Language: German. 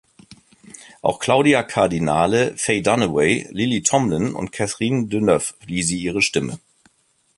Auch Claudia Cardinale, Faye Dunaway, Lily Tomlin und Catherine Deneuve lieh sie ihre Stimme.